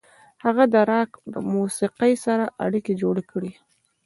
هغه د راک موسیقۍ سره اړیکې جوړې کړې.